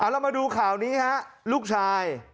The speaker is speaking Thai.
เรามาดูข่าวนี้ฮะลูกชาย